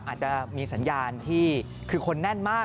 อาจจะมีสัญญาณที่คือคนแน่นมาก